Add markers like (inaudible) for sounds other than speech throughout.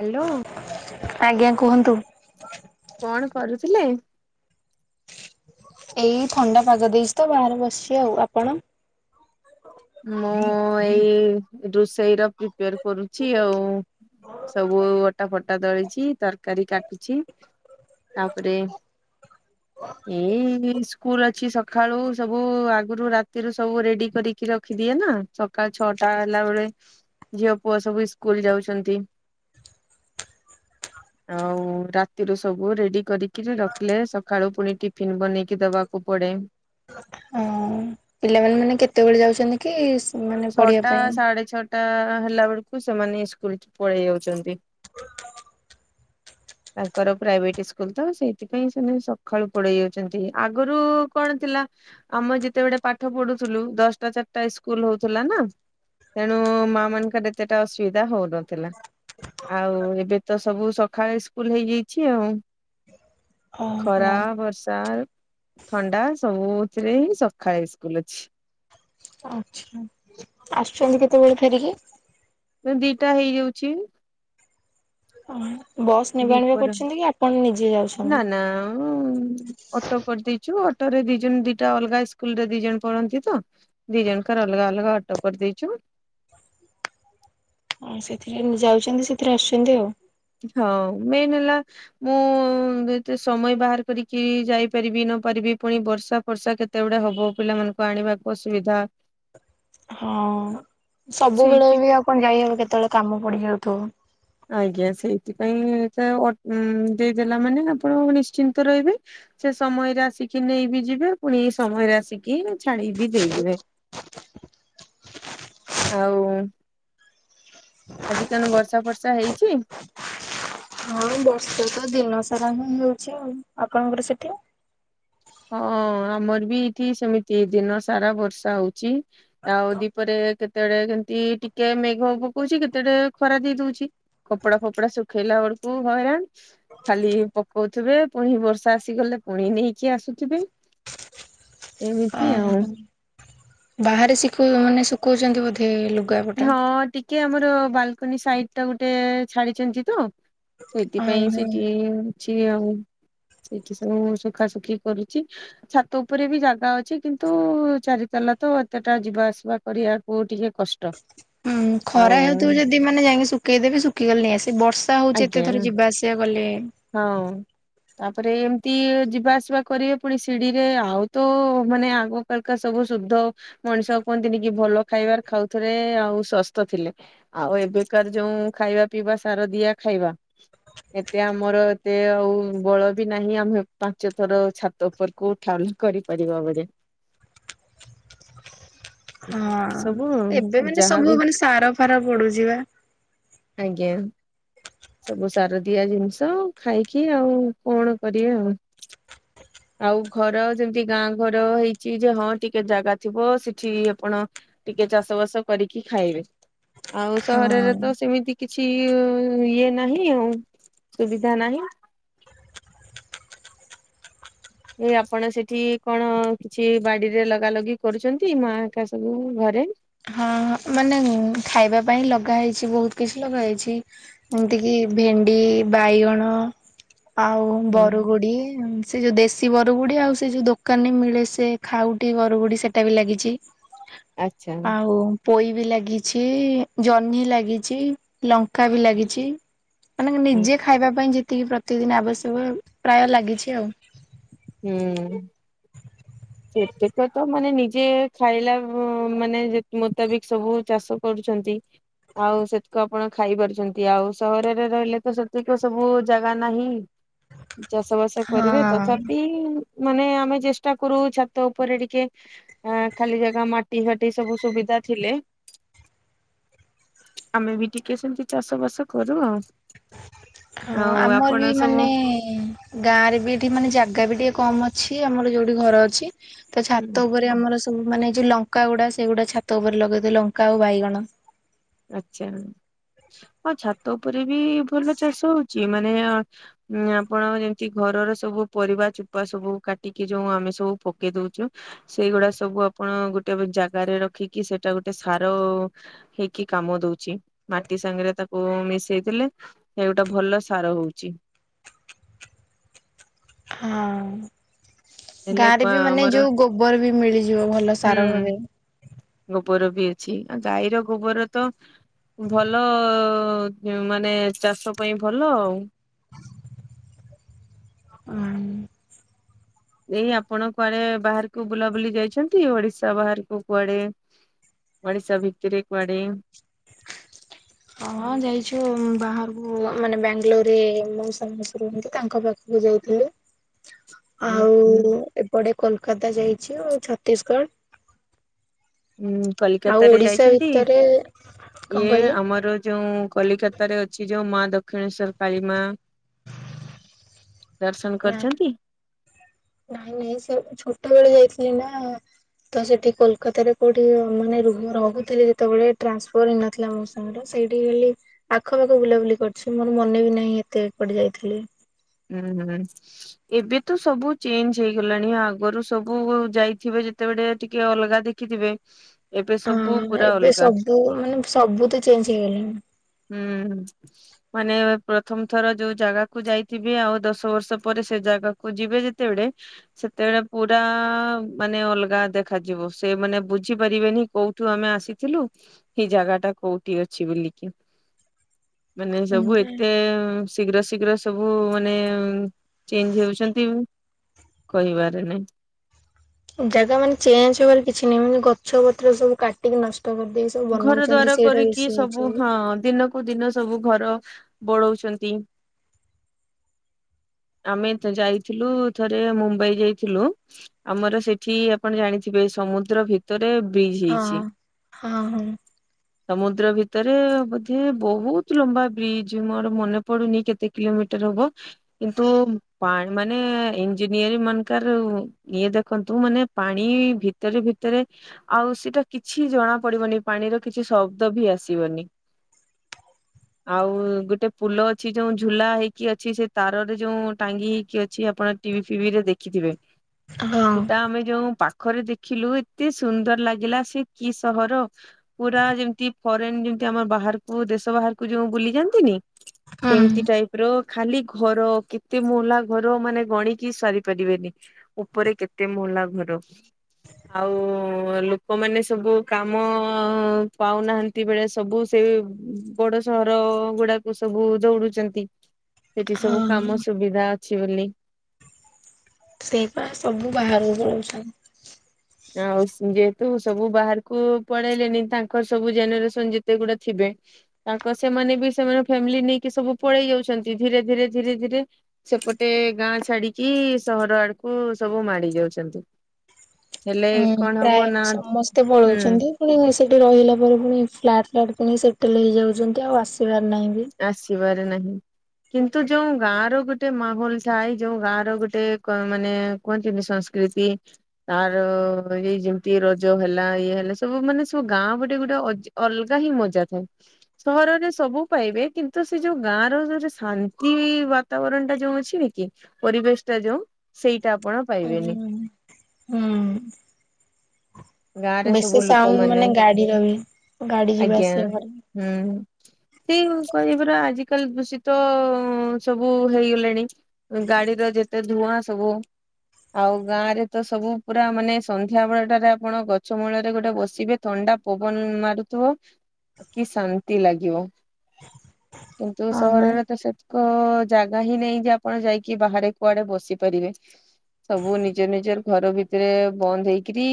Hello. ଆଜ୍ଞା କୁହନ୍ତୁ? କଣ କରୁଥିଲେ? ଏଇ ଥଣ୍ଡା ପାଗ ଦେଇଚି ତ ବାହାରେ ବସିଛି ଆଉ ଆପଣ? ମୁଁ ଏଇ ରୁଷେଇ ର ପି ପ୍ରିପାର କରୁଚି ଆଉ ସବୁ ଅଟା ଫଟା ଦଳିଚି ତରକାରୀ କାଟୁଚି। ତାପରେ ଏଇ ସ୍କୁଲ ଅଛି ସ ସଖାଳୁ ସବୁ ଆଗରୁ ରାତିରୁ ସବୁ ରେଡି କରିକି ରଖିଦିଏ ନା ସକାଳ ଛଅଟା ହେଲା ବେଳେ ଝିଅ ପୁଅ ସବୁ ଇସ୍କୁଲ ଯାଉଛନ୍ତି। ଆଉ ରାତିରୁ ସବୁ ରେଡି କରିକିରି ରଖିଲେ ସକାଳୁ ପୁଣି ଟିଫିନ ବନେଇକି ଦବାକୁ କୁ ପଡେ ହଁ ପିଲାମାନେ ମାନେ କେତେବେଳେ ଯାଉଚନ୍ତି କି ମାନେ ପଢିବା ପାଇଁ? ଟା ହେଲା ବେଳକୁ ସେମାନେ ସ୍କୁଲ ପଳେଇ ଯାଉଚନ୍ତି। ତାଙ୍କର ପ୍ରାଇଭେଟ ସ୍କୁଲ ତ ସେଇଥିପାଇଁ ସେମାନେ ସଖାଳୁ ପଳେଇ ଯାଉଚନ୍ତି ଆଗରୁ କଣ ଥିଲା ଆମେ ଯେତେବେଳେ ପାଠ ପଢୁଥୁଲୁ ଦଶଟା ଚାରିଟା ସ୍କୁଲ ହଉଥିଲା ନା? ତେଣୁ ମାଁ ମାନଙ୍କର ଏତେଟା ଅସୁବିଧା ହଉନଥିଲା। ଆଉ ଏବେ ତ ସବୁ ସଖାଳେ ସ୍କୁଲ ହେଇଯାଇଛି ଆଉ ଓହୋ ଖରା ବର୍ଷ ର୍ଷା ଥଣ୍ଡା ସବୁଥିରେ ହିଁ ସଖାଳେ ଇସ୍କୁଲ ଅଛି। ଆଚ୍ଛା। ଆସୁଛନ୍ତି କେତେବେଳେ ଫେରିକି? ସେଇ ଦିଟା ହେଇଯାଉଛି। ବସ୍ ନେବା ଆଣିବା ଦିପହରେ କରୁଛନ୍ତି କି ଆପଣ ନିଜେ ଯାଉଛନ୍ତି? ହୁଁ ଅଟୋ କରିଦେଇଚୁ ଅଟୋ ରେ ଦି ଜଣ ଦିଟା ଅଲଗା ସ୍କୁଲ ରେ ଦି ଜଣ ପଢନ୍ତି ତ। ଦିଇଜଣଙ୍କର ଅଲଗା ଅଲଗା ଅଟୋ କରି ଦେଇଚୁ। ଅ ସେଥିରେ ଯାଉଚନ୍ତି ସେଥିରେ ଆସୁଚନ୍ତି ଆଉ। ହଁ ମେନ୍ ହେଲା ମୁଁ ଏତେ ସମୟ ବାହାର କରିକି ଯାଇପାରିବି ନ ପାରିବି ପୁଣି ବର୍ଷା ଫର୍ଷା କେତ୍ କେତେବେଡେ ହବ ପିଲାମାନଙ୍କୁ ଆଣିବାକୁ ଅସୁବିଧା। ହଁ ସବୁବେଳେ ସେଇଥି ବି ଆଉ କଣ ଯାଇହବ କେତେବେଳେ କାମ ପଡିଯାଉଥିବ। ଆଜ୍ଞା, ସେଇଥିପାଇଁ ଦେଇଦେଲା ମାନେ ଆପଣ ନିଶ୍ଚିନ୍ତ ରହିବେ। ସେ ସମୟରେ ଆସିକି ନେଇ ବିି ଯିବେ ପୁଣି ସମୟରେ ଆସିକି ଛାଡି ବିି ଦେଇଯିବେ। ଆଉ - - ଆଜି କାଣୁ ବର୍ଷା ଫର୍ଷା ହେଇଚି। ବର୍ଷ ତ ଦିନ ସାରା ହିଁ ହେଉଚି ଆଉ। ଆପଣଙ୍କର ସେଠି? ହଁ, ଆମର ବି ଏଇଠି ସେମିତି ଦିନ ସାରା ବର୍ଷା ହଉଚି। ଆଉ ଦିପରେ କେ କେତେବେଡେ କେମତି ଟିକେ ମେଘ ପକଉଚି କେତେ ରେ ଖରା ଦେଇ ଦଉଚି। କପଡା ଫପଡା ଶୁଖେଇଲା ବେଳକୁ ହଇରାଣ। ଖାଲି ପକଉଥିବେ, ପୁଣି ବର୍ଷା ଆସିଗଲେ ପୁଣି ନେଇକି ଆସୁଥିବେ। ଏମିତି ଆଉ ଓହ, ବାହାରେ ଶିଖ ମାନେ ଶିଖଉଚନ୍ତି ବୋଧେ ଲୋକ- - ହଁ, ଟିକେ ଆମର ବାଲକନି ସାଇଡ ଟା ଗୋଟେ ଛାଡି ଚନ୍ତି ତ- - ସେଥିପାଇଁ ଓହୋ। ସେଠି ଅଛି ଆଉ। ସେଇଠି ସବୁ ଶୁଖାସୁଖୀ କରୁଚି। ଛାତ ଉପରେ ବି ଜାଗା ଅଛି। କିନ୍ତୁ ଚାରି ତାଲା ତ ଏତେଟା ଯିବା ଆସିବା କରିଆ - - କୁ ଟିକେ କଷ୍ଟ। ହୁଁ, ଖରା ଆଉ ହେଉଥିବ ଯଦି ମାନେ ଯାଇକି ଶୁଖେଇଦେବେ ଶୁଖିଗଲେ ନେଇ ଆସିବେ ବ ର୍ଷା ହଉଚି ଆଜ୍ଞା ଏତେ ଥୋର ଯିବା ଆସିବା କଲେ। ହଁ। ତାପରେ ଏମିତି ଯିବା ଆସିବା କରିବେ ପୁଣି ସିଡି ରେ ଆଉ ତ ମାନେ ଆଗ ବଳକା ସବୁ ଶୁଦ୍ଧ ମଣିଷ କୁହନ୍ତିନି କି ଭଲ ଖାଇବାର ଖାଉଥିଲେ ଆଉ ସସ୍ଥ ଥିଲେ। ଆଉ ଏବେକାର ଯୋଉ ଖାଇବା ପିଇବା ସାର ଦିଆ ଖାଇବା। ଏତେ ଆମର ଏତେ ଆଉ ବଳ ବି ନାହିଁ ଆମେ ପାଞ୍ଚ ଥର ଛାତ ଉପରକୁ କୁ ଉଠା ଉଠି କରିପାରିବ ବୋଲି। ଏଇ ସବୁ ହଁ, ଏବେ ମାନେ ଯାହାବି ସବୁ ମାନେ ସାର ଫାର ପଡୁଚି ବା। ଆଜ୍ଞା। ସବୁ ସାର ଦିଆ ଜିନିଷ ଖାଇକି ଆଉ କଣ କରିବା ଆଉ। ଆଉ ଘର ଯେମିତି ଗାଁ ଘର ହେଇଚି ଯେ ହଁ ଟିକେ ଜାଗା ଥିବ ସେଠି ଆପଣ ଟିକେ ଚାଷ ବାସ କରିକି ଖାଇବେ, ଆଉ ସହରରେ ହଁ ତ ସେମିତି କିଛି ଇଏ ନାହିଁ ଆଉ ସୁବିଧା ନାହିଁ। ଏଇ ଆପଣ ସେଠି କଣ କିଛି ବାଡିରେ ଲଗା ଲଗି କରୁଚନ୍ତି ମା ଆା ସବୁ ଘରେ। ହଁ ମାନେ ଖାଇବା ପାଇଁ ଲଗା ହେଇଚି ବହୁତ କିଛି ଲଗା ହେଉଚି। ଏମିତି କିି ଭେଣ୍ଡି, ବାଇଗଣ ଆଉ ହୁଁ ବରୁଗୁଡି। ସେ ଯେଉଁ ଦେଶୀ ବରବୁଡ଼ି ଆଉ ସେ ଯେଉଁ ଦୋକାନରେ ମିଳେ ସେ ଖାଉଟିି ବରବୁଡ଼ି ସେଇଟା ବି ଲାଗିଚି। ଆଚ୍ଛା ଆଉ ପୋଇ ବି ଲାଗିଚି, ଜହ୍ନି ଲାଗିଚି ଲଙ୍କା ବି ଲାଗିଚି। ମାନେ ହୁଁ ନିଜେ ଖାଇବା ପାଇଁ ଯେତିକି ପ୍ରତିଦିନ ଆବଶ୍ୟକ ପ୍ରାୟ ଲାଗିଚି ଆଉ। ହୁଁ। ସେତକ ତ ମାନେ ନିଜେ ଖାଇଲା ମାନେ ମୁତାବିକ ସବୁ ଚାଷ କରୁଚନ୍ତି। ଆଉ ସେତିକ ଆପଣ ଖାଇପାରୁଚନ୍ତି। ଆଉ ସହରରେ ରହିଲେ ତ ସେତିକ ସବୁ ଜାଗା ନାହିଁ। ଚାଷ ବାସ କରିବେ ହଁ। ତଥା ପି ମାନେ ଆମେ ଚେଷ୍ଟା କରୁ ଛାତ ଉପରେ ଟିକେ ଆ ଖାଲି ଜାଗା ମାଟି ଫାଟି ସବୁ ସୁବିଧା ଥିଲେ- - ଆମେ ବି ଟିକେ ସେମିତି ଚାଷ ବାସ କରୁ ଆଉ। ହଁ ଆଉ ଆମର ଆପଣ ବି ସବୁ ମାନେ ଗାଁରେ ବି ଏଠି ମାନେ ଜାଗା ବି ଟିକେ କମ୍ ଅଛି ଆମର ଯୋଉଠି ଘର ଅଛି। ତ ହୁଁ ଛାତ ଉପରେ ଆମର ସବୁ ମାନେ ଯୋଉ ଲଙ୍କାଗୁଡା ସେଇଗୁଡା ଛାତ ଉପରେ ଲଗେଇ ଦିଏ ଲଙ୍କା ଆଉ ବାଇଗଣ। ଆଚ୍ଛା ହଁ ଛାତ ଉପରେ ବି ଭଲ ଚାଷ ହଉଚି ମାନେ ହଁ ଆପଣ ଯେମିତି ଘରର ସବୁ ପରିବା ଚୁପା ସବୁ କାଟିକି ଯୋଉ ଆମେ ସବୁ ପକେଇ ଦଉଚୁ। ସେଇଗୁଡା ସବୁ ଆପଣ ଗୋଟେ ବ ଜାଗରେ ରଖିକି ସେଇଟା ଗୋଟେ ସାର ହେଇ କି କାମ ଦଉଚି। ମାଟି ସାଙ୍ଗରେ ତାକୁ ମିଶେଇ ଦେଲେ ସେ ଗୋଟେ ଭଲ ସାର ହଉଚି। ହାଁ। ହେଲେ ଗାଁ ପ ରେ ବି ମାନେ ଆମର ଯୋଉ ଗୋବର ବି ମିଳିଯିବ ଭଲ ହୁଁ ସାର ଭାବେ। ଗୋବର ବି ଅଛି ଆ ଗାଈର ଗୋବର ତ ଭଲ ମାନେ ଚାଷ ପାଇଁ ଭଲ ଆଉ। (inaudible) ଉଁ। ଏଇ ଆପଣ କୁଆଡେ ବାହାରକୁ ବୁଲାବୁଲି ଯାଇଚନ୍ତି ଓଡିଶା ବାହାରକୁ କୁଆଡେ? ଓଡିଶା ଭିତରେ କୁଆଡେ? ହଁଁ ଯାଇଛୁ ବାହାରକୁ ମାନେ ବାଙ୍ଗାଲୋରରେ ମଉସା ମାଉସୀ ରୁହନ୍ତି ତାଙ୍କ ପା ମୁଁ ଯାଇଥିଲି। ଉଁ ଆଉ ହୁଁ ଏପଟେ କୋଲକାତା ଯାଇଛୁ ଆଉ ଛତିଶଗଡ। ଉଁ ଆଉ କଲିକତାରେ ଓଡିଶା ଯାଇଚନ୍ତି ଭିତରେ କଣ ଇଏ କହିଲେ ଆମର ଯୋଉ କଲିକ ଭିତରେ ଅଛି ଯୋଉ ମା ଦକ୍ଷିଣେଶ୍ଵର କାଳୀ ମା ଦର୍ଶନ ନା କରିଛନ୍ତି? ନାଇଁ ନାଇଁ ସେ ଛୋଟ ବେଳେ ଯାଇଥିଲି ନା। ତ ସେଠି କୋଲକାତାରେ କୋଉଠି ମାନେ ରୁହ ରହୁଥିଲେ ଯେତେବେଳେ ଟ୍ରାନ୍ସଫର ହେଇନଥିଲା ମୋଉ ମୋର ସେଇଠି ହେଲି ଆଖପାଖ ବୁଲାବୁଲି କରିଛି। ମୋର ମନେ ବି ନାହିଁ ଏତେ ଏପଟେ ଯାଇଥିଲି। ହୁଁ ହୁଁ। ଏବେ ତ ସବୁ ଚେଞ୍ଜ ହେଇଗଲାଣି ଆଗରୁ ସବୁ ଯାଇଥିବେ ଯେତେବେଳେ ଟିକେ ଅଲଗା ଦେଖିଥିବେ। ଏବେ ସବୁ ହଁ ପୁରା ଏବେ ଅଲଗା ସବୁ ମାନେ ସବୁ ତ ଚେଞ୍ଜ ହେଇଗଲାଣି। ହୁଁ ମାନେ ପ୍ରଥମ ଥର ଯୋଉ ଜାଗାକୁ ଯାଇ ଥିବେ ଆଉ ଦଶ ବର୍ଷ ପରେ ସେ ଜାଗାକୁ ଯିବେ ଯେତେବେଳେ ସେତେବେଳେ ପୁରା ମାନେ ଅଲଗା ଦେଖାଯିବ ସେ ମାନେ ବୁଝିପାରିବେନି କୋଉ ଉଠୁ ଆମେ ଆସିଥିଲୁ ଏଇ ଜାଗାଟା କୋଉଠି ଅଛି ବୋଲି କି। ମାନେ ସବୁ ଏତେ ଶୀଘ୍ର ଶୀଘ୍ର ସବୁ ମାନେ ଉଁ ଚେଞ୍ଜ ହେଉଚନ୍ତି କହିବାର ନାଇଁ। ଜାଗା ମାନେ ଚେଞ୍ଜ ହବାର କିଛି ନାହିଁ ମାନେ ଗଛ ପତ୍ର ସବୁ କାଟିକି ନଷ୍ଟ କରିଦେଇ ସବୁ ଘର ବନଉଛନ୍ତି ଦ୍ବାର ସେଇଟା କରିକି ବେଶୀ ହଉଛି ସବୁ ହଁ ଦିନ କୁ ଦିନ ସବୁ ଘର ବଢଉଛନ୍ତି। ଆମେ ଯା-ଯାଇଥିଲୁ ଥରେ ମୁମ୍ବାଇ ଯାଇଥିଲୁ। ଆମର ସେଠି ଆପଣ ଜାଣିଥିବେ ସମୁଦ୍ର ଭିତରେ ବ୍ରିଜ ହେଇଚି। ହଁ ହଁ। ସମୁଦ୍ର ଭିତରେ ବୋଧେ ବୋହୁତ ଲମ୍ବା ବ୍ରିଜ ମୋର ମନେ ପଡୁନି କେତେ କିଲୋମିଟର ହବ। କିନ୍ତୁ ପାଣି ମାନେ ଇଞ୍ଜିନିୟରି ମାନଙ୍କରୁ ଇଏ ଦେଖନ୍ତୁ ମାନେ ପାଣି ଭିତରେ ଭିତରେ ଆଉ ସେଇଟା କିଛି ଜଣା ପଡିବନି। ପାଣିର କିଛି ଶବ୍ଦ ବି ଆସିବନି। ଆଉ ଗୋଟେ ପୁଲ ଅଛି ଯୋଉ ଝୁଲା ହେଇକି ଅଛି ସେ ତାରରେ ଯୋଉ ଟାଙ୍ଗି ହେଇକି ଅଛି ଆପଣ ଟିଭି ଫିଭିରେ ଦେଖିଥିବେ। ହଁ ସେଟା ଆମେ ଯୋଉ ପାଖରେ ଦେଖିଲୁ ଏତେ ସୁନ୍ଦର ଲାଗିଲା ସେ କି ସହର? ପୁରା ଯେମିତି ଫରେନ ଯେମତି ଆମର ବାହାରକୁ ଦେଶ ବାହାରକୁ ଯଉ ବୁଲି ଯାଆନ୍ତିନି? ହଁ ସେମତି ହଁ ଟାଇପ ର ଖାଲି ଘର କେତେ ମହଲା ଘର ମାନେ ଗଣିକି ସରି ପାରିବେନି। ଉପରେ କେତେ ମଲା ଘର ଆଉ ଲୋକମାନେ ସବୁ କାମ ମ ପାଉନାହାନ୍ତି ବେଳେ ସବୁ ସେ ବଡ ସହର ଗୁଡାକ ସବୁ ଦୌଡୁଛନ୍ତି ସେଠି ସବୁ ହଁ। କାମ ସୁବିଧା ଅଛି ବୋଲି। ସେଇ ପା ସବୁ ବାହାରକୁ ପଳଉଛନ୍ତି। ଆଉ ଯେହେତୁ ସବୁ ବାହାରକୁ ପଳେଇଲେନି ତାଙ୍କର ସବୁ ଜେନେରେସନ ଯେତେ ଗୁଡା ଥିବେ? ତାଙ୍କ ସେମାନେ ବି ସେମାନେ ଫ୍ୟାମିଲି ନେଇକି ସବୁ ପଳେଇ ଯାଉଛନ୍ତି। ଧୀରେ ଧୀରେ ଧୀରେ ଧୀରେ। ସେପଟେ ଗାଁ ଛାଡିକି ସହର ଆଡକୁ ସବୁ ମାଡି ଯାଉଛନ୍ତି। ହେଲେ ହଁ କଣ ହବ ପ୍ରାୟ ନା ସମସ୍ତେ ହୁଁ ପଳଉଛନ୍ତି। ପୁଣି ସେଇଠି ରହିଲା ପରେ ପୁଣି ଫ୍ଲାଟ ଫ୍ଲାଟ୍ ପଣି ସେଟେଲ ହେଇଯାଉଛନ୍ତି ଆଉ ଆସିବାର ନାହିଁ ବି। ଆସିବାରେ ନାହିଁ। କିନ୍ତୁ ଯୋଉ ଗାଁ ର ଗୋଟେ ମାହୋଲ ଥାଏ ଯୋଉ ଗାଁ ର ଗୋଟେ ମାନେ କୁହନ୍ତିନି ସଂସ୍କୃତି। ତାର ଏଇ ଯେମିତି ରଜ ହେଲା ଇଏ ହେଲା ସବୁ ମାନେ ସବୁ ଗାଁ ଗୋଟେ ଗୋଟେ ଅଜ ଅଲଗା ହିଁ ମଜା ଥାଏ ସହରରେ ସବୁ। ପାଇବେ କିନ୍ତୁ ସେ ଯୋଉ ଗାଁ ରୋଟ ଶାନ୍ତି ବାତାବରଣ ଟା ଯୋଉ ଅଛି ନ କି? ପରିବେଶଟା ଯୋଉ ସେଇଟା ଆପଣ ପାଇବେନି। ହୁଁ। ଗାଁରେ ବେଶୀ ସବୁ ସାଉଣ୍ଡ ଲୋକମାନେ ମାନେ ଗାଡିର ବି। ଗାଡି ଯିବା ଆଜ୍ଞା ଆସିବା କରେ। ହୁଁ। ସେ କହିବୁର ଆଜିିକାଲି ଦୂଷିତ ସବୁ ହେଇଗଲେଣି। ଗାଡିର ଯେତେ ଧୂଆଁ ସବୁ। ଆଉ ଗାଁରେ ତ ସବୁ ପୁରା ମାନେ ସନ୍ଧ୍ୟାବେଳ ଟାରେ ଆପ ଆପଣ ଗଛ ମୂଳରେ ଗୋଟେ ବସିବେ ଥଣ୍ଡା ପବନ ମାରୁଥିବ। କି ଶାନ୍ତି ଲାଗିବ କିନ୍ତୁ ହଁ ବା ସହରରେ ତ ସେ ଜାଗା ହିଁ ନାଇଁ ଯେ ଆପଣ ଯାଇକି ବାହାରେ କୁଆଡେ ବସିପାରିବେ। ସବୁ ନିଜ ନିଜର ଘର ଭିତରେ ବନ୍ଦ ହେଇକିରି।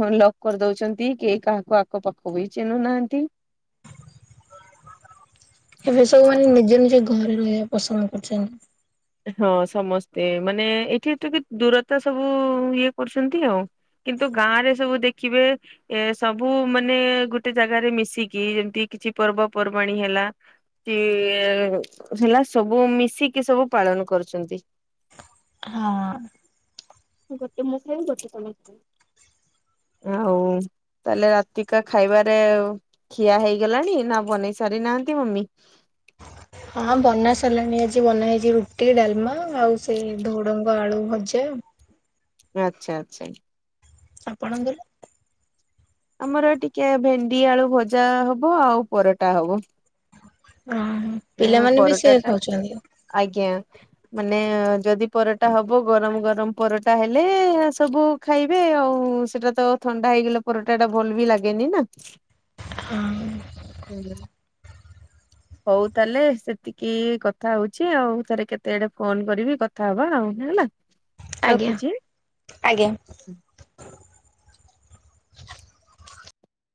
ହଁ ଲକ କରିଦଉଛନ୍ତି କିଏ କାହାକୁ ଆଖ ପାଖ ବି ଚିହ୍ନୁନାହାନ୍ତି। ଏବେ ସବୁ ମାନେ ନିଜ ନିଜ ଘରେ ରହିବା ପସନ୍ଦ କରୁଛନ୍ତି। ହଁ ସମସ୍ତେ ମାନେ ଏଠି ତ କି ଦୂରତା ସବୁ ଇଏ କରୁଛନ୍ତି ଆଉ। କିନ୍ତୁ ଗାଁରେ ସବୁ ଦେଖିବେ। ଏ ସବୁ ମାନେ ଗୋଟେ ଜାଗାରେ ମିଶିକି ଯେମିତି କିଛି ପର୍ବପର୍ବାଣୀ ହେଲା। (unintelligible) ହେଲା ସବୁ ମିଶିକି ସବୁ ପାଳନ କରୁଛନ୍ତି। ହଁ। ଗୋଟେ ମୁଁ ଖାଇବି ଗୋଟେ ତମେ ଖାଇବ। ଆଉ ତାହେଲେ ରାତିକା ଖାଇବାରେ ଖିଆ ହେଇଗଲାଣି ନା ବନେଇ ସାରି ନାହାନ୍ତି ମମି? ହଁ ବନା ସାରିଲାଣି ଆଜି ବନା ହେଇଛି ରୁଟି ଡାଲମା ଆଉ ସେଇ ଧୁଡ଼ଙ୍ଗ ଆଳୁ ଭଜା। ଆଚ୍ଛା ଆଚ୍ଛା। ଆପଣଙ୍କର? ଆମର ଟିକେ ଭେଣ୍ଡି ଆଳୁ ଭଜା ହବ ଆଉ ପରଟା ହବ। (unintelligible) ଅ-ଅ ବି ପରଟା ସେୟା ଟା ଖାଉଛନ୍ତି ଆଜ୍ଞା ମାନେ-ଏ-ଏ-ଏ ଯଦି ପରଟା ହବ ଗରମ ଗରମ ପରଟା ହେଲେ-ଏ-ଏ-ଏ ସବୁ ଖାଇବେ ଆଉ-ଉ-ଉ-ଉ ସେଟା ତ ଥଣ୍ଡା ହେଇଗଲେ ପରଟା ଟା ଭଲ ବି ଲାଗେନି ନା। (unintelligible) ହଁ। ହୁଁ ହଉ ତାହେଲେ ସେତିକି-ଇ-ଇ କଥା ହଉଛି ଆଉ ଥରେ କେତେ ବେଳେ ଫୋନ କରିବି କଥା ହବା ଆଉ ହେଲା। (inaudible) ଆଜ୍ଞା ଆଜ୍ଞା।